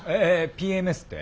ＰＭＳって？